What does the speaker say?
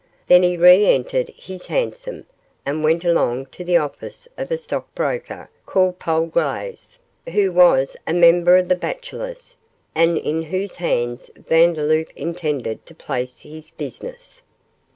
Then he reentered his hansom, and went along to the office of a stockbroker, called Polglaze, who was a member of 'The Bachelors', and in whose hands Vandeloup intended to place his business.